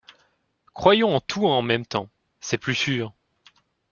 Croyons à tout en même temps: c’est plus sûr.